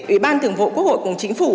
ủy ban thường vụ quốc hội cùng chính phủ